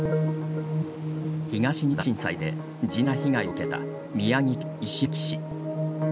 東日本大震災で甚大な被害を受けた宮城県石巻市。